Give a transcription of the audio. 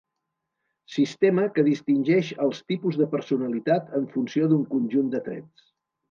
Sistema que distingeix els tipus de personalitat en funció d'un conjunt de trets.